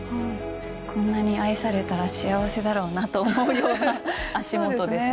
こんなに愛されたら幸せだろうなと思うような足元ですね。